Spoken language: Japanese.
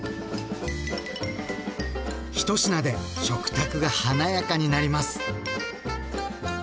１品で食卓が華やかになります。